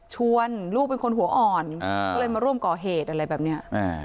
ชวนลูกเป็นคนหัวอ่อนก็เลยมาร่วมก่อเหตุอะไรแบบนี้